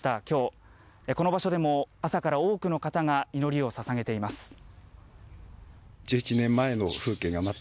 今日この場所でも朝から多くの方が祈りを捧げています。